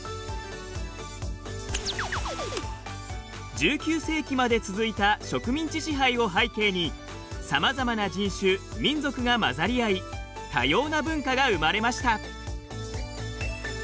１９世紀まで続いた植民地支配を背景にさまざまな人種・民族が混ざりあい多様な文化が生まれました。